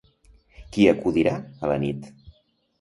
Qui hi acudirà a la nit?